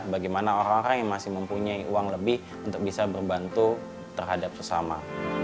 bagaimana orang orang yang masih mempunyai uang lebih untuk bisa berbantu terhadap sesama